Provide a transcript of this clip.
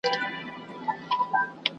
ـ تر اوسه ستا په راتګ کې لا ډېر وخت دی زويه!